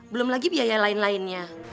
belum lagi biaya lain lainnya